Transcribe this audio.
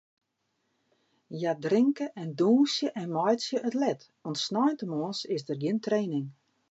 Hja drinke en dûnsje en meitsje it let, want sneintemoarns is der gjin training.